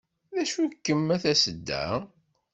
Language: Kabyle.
D acu-kem a tasedda?